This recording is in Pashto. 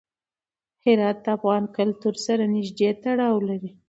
هرات د افغان کلتور سره نږدې تړاو لري.